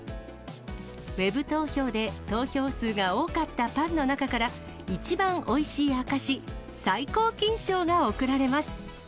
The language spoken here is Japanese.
ウェブ投票で投票数が多かったパンの中から、一番おいしい証し、最高金賞が贈られます。